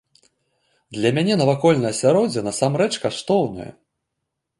Для мяне навакольнае асяроддзе насамрэч каштоўнае.